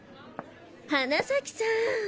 花崎さん。